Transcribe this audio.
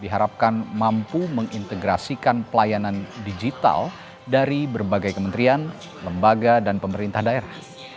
diharapkan mampu mengintegrasikan pelayanan digital dari berbagai kementerian lembaga dan pemerintah daerah